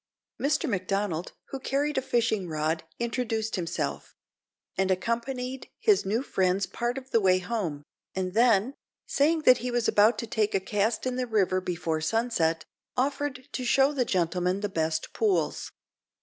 Mr Macdonald, who carried a fishing rod, introduced himself; and accompanied his new friends part of the way home; and then, saying that he was about to take a cast in the river before sunset, offered to show the gentlemen the best pools.